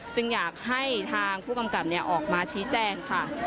จึงอยากให้ทางผู้กำกับออกมาชี้แจงค่ะ